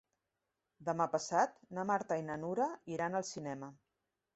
Demà passat na Marta i na Nura iran al cinema.